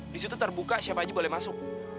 di situ terbuka siapa aja boleh masuk